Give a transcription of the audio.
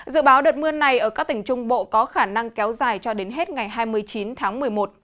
dự báo đợt mưa này ở các tỉnh trung bộ có khả năng kéo dài cho đến hết ngày hai mươi chín tháng một mươi một